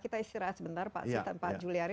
kita istirahat sebentar pak juliari